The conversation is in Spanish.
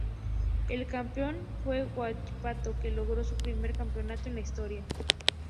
El campeón fue Huachipato que logró su primer campeonato en la historia.